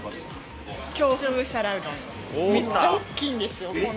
めっちゃ大きいんですよ